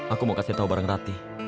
aku mau kasih tahu barang rati